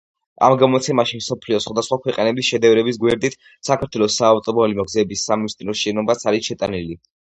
ამ გამოცემაში მსოფლიოს სხვადასხვა ქვეყნების შედევრების გვერდით საქართველოს საავტომობილო გზების სამინისტროს შენობაც არის შეტანილი.